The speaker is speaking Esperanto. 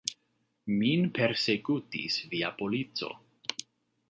Min persekutis via polico.